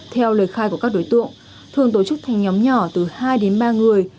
theo lời khai của các đối tượng thường tổ chức thành nhóm nhỏ từ hai đến ba người